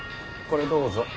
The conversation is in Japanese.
これどうぞ。